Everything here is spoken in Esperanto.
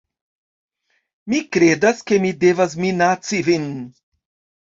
Mi kredas, ke mi devas minaci vin